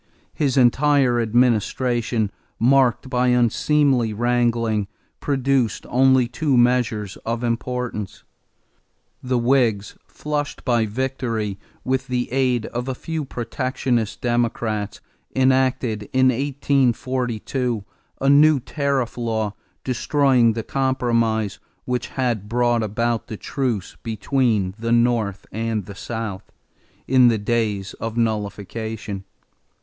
His entire administration, marked by unseemly wrangling, produced only two measures of importance. The Whigs, flushed by victory, with the aid of a few protectionist Democrats, enacted, in 1842, a new tariff law destroying the compromise which had brought about the truce between the North and the South, in the days of nullification.